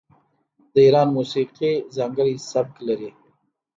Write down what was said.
د ایران موسیقي ځانګړی سبک لري.